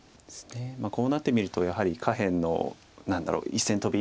こうなってみるとやはり下辺の何だろう１線トビ。